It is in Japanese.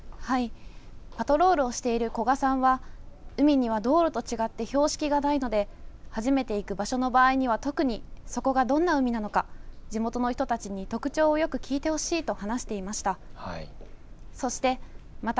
パトロールをしている古賀さんは海には道路と違って標識がないので初めて行く場所の場合には特にそこがどんな海なのか地元の人たちに特徴をよく聞いてほしいと話していました。